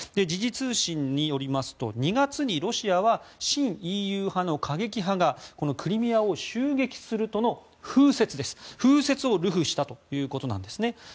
時事通信によりますと２月にロシアは親ＥＵ派の過激派がクリミアを襲撃するとの風説を流布したということなんです。